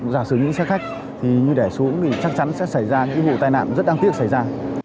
giả sử những xe khách thì như để xuống thì chắc chắn sẽ xảy ra những vụ tai nạn rất đáng tiếc xảy ra